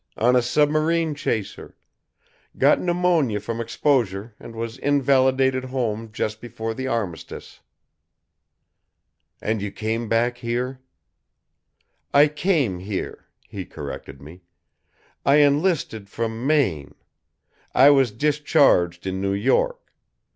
On a submarine chaser. Got pneumonia from exposure and was invalided home just before the Armistice." "And you came back here?" "I came here," he corrected me. "I enlisted from Maine. I was discharged in New York.